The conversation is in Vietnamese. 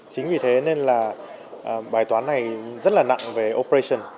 chính vì thế nên là bài toán này rất là nặng về operation